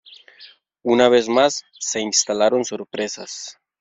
Una vez más, se instalaron sorpresas.